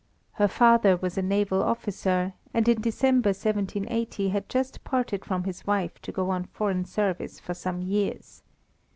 Her father was a naval officer, and in December 1780 had just parted from his wife to go on foreign service for some years.